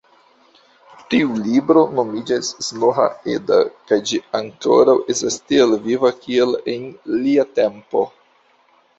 Tiu libro nomiĝas Snorra-Edda kaj ĝi ankoraŭ estas tiel viva, kiel en lia tempo.